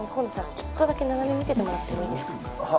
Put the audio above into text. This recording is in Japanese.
ちょっとだけ七海見ててもらってもいいですか？